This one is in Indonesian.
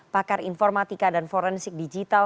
pakar informatika dan forensik digital